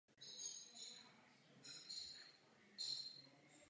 V současnosti čelíme nejtěžší krizi, a vy předvádíte nezodpovědné chování.